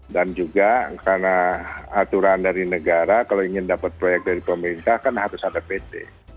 dan juga karena aturan dari negara kalau ingin dapat proyek dari pemerintah kan harus ada pt